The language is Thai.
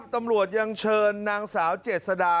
ทำไมต้องฆ่าลูก